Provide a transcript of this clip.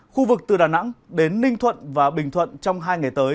khu vực từ đà nẵng đến ninh thuận và bình thuận trong hai ngày tới